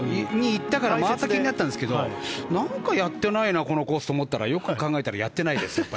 行ったから回った気になっていたんですがなんかやってないなこのコースと思ったらよく考えたらやっぱりやってないです。